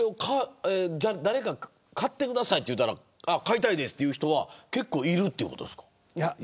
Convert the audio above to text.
誰か買ってくださいと言ったら買いたいですという人は結構いるということですか。